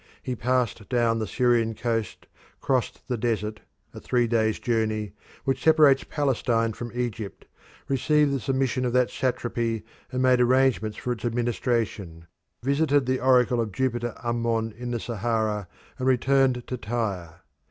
He passed down the Syrian coast, crossed the desert a three days' journey which separates Palestine from Egypt, received the submission of that satrapy and made arrangements for its administration, visited the oracle of Jupiter Ammon in The Sahara, and returned to Tyre.